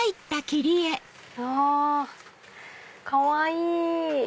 うわかわいい！